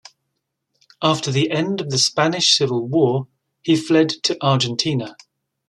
After the end of the Spanish Civil War he fled to Argentina.